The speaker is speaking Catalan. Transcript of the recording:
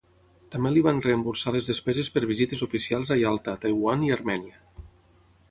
També li van reemborsar les despeses per visites oficials a Yalta, Taiwan i Armènia.